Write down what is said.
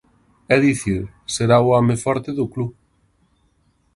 É dicir, será o home forte do club.